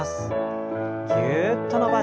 ぎゅっと伸ばして。